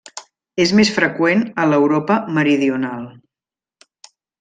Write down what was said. És més freqüent a l'Europa meridional.